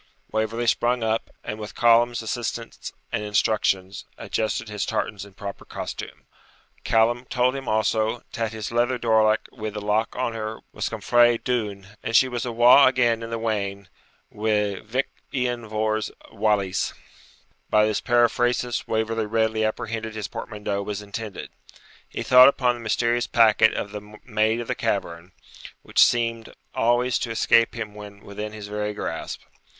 Waverley sprung up, and, with Callum's assistance and instructions, adjusted his tartans in proper costume. Callum told him also,' tat his leather dorlach wi' the lock on her was come frae Doune, and she was awa again in the wain wi' Vich Ian Vohr's walise.' By this periphrasis Waverley readily apprehended his portmanteau was intended. He thought upon the mysterious packet of the maid of the cavern, which seemed always to escape him when within his very grasp.